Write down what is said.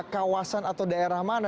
kawasan atau daerah mana